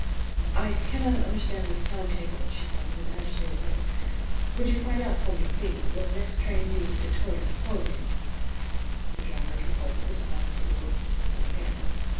"I cannot understand this time table," she said, in an agitated way. "Would you find out for me, please, when the next train leaves Victoria for Horleydene?" The driver consulted the time table with a businesslike air.